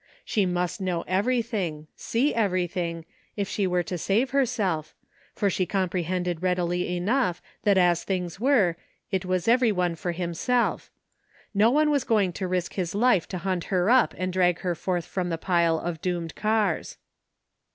She must know everything, see everything, if she were to save herself, for she comprehended readily enough that as things were it was every one for himself. No one was going to risk his life to hunt her up and drag her forth from the pile of doomed cars.